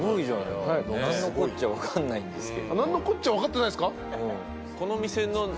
何のこっちゃ分かってないっすか？